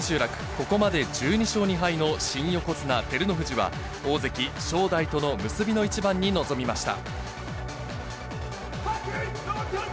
ここまで１２勝２敗の新横綱・照ノ富士は、大関・正代との結びの一番に臨みました。